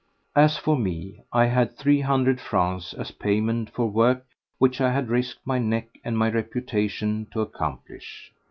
As for me, I had three hundred francs as payment for work which I had risked my neck and my reputation to accomplish.